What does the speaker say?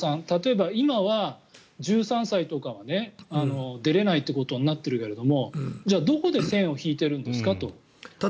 例えば今は１０歳以下は出られないということになってるけどどこで線を引いているんですかと。